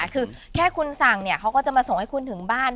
คือแค่คุณสั่งเขาก็จะมาส่งให้คุณถึงบ้าน